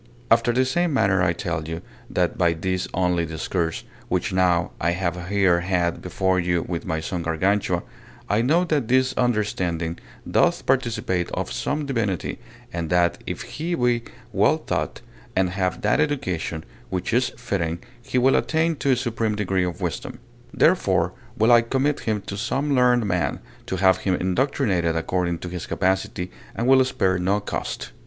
After the same manner I tell you, that by this only discourse, which now I have here had before you with my son Gargantua, I know that his understanding doth participate of some divinity, and that, if he be well taught, and have that education which is fitting, he will attain to a supreme degree of wisdom. Therefore will I commit him to some learned man, to have him indoctrinated according to his capacity, and will spare no cost.